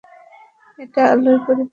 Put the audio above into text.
ওটা আলোয় পরিপূর্ণ!